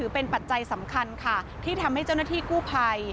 เป็นปัจจัยสำคัญค่ะที่ทำให้เจ้าหน้าที่กู้ภัย